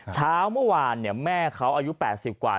เช้าเมื่อวานแม่เขาอายุ๘๐กว่า